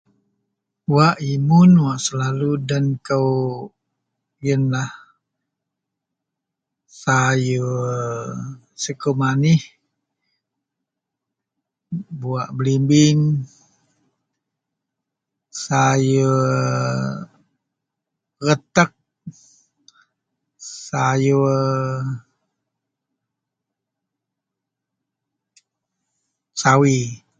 wak imun wak selalu den kou, ienlah sayur sekuk manih, buwak belimbing, sayur retek, sayur sawi